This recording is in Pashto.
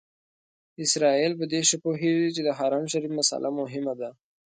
اسرائیل په دې ښه پوهېږي چې د حرم شریف مسئله مهمه ده.